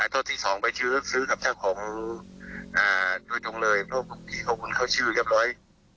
ท่อที่๒ไปซื้อซื้อข้าวของด้วยจงเลยเพราะกระปุ่นที่เขาคือเขาชื่อเรียบร้อย